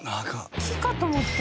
木かと思った！